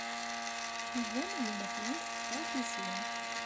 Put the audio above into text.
Iban yemma-twent tefṛeḥ yes-went.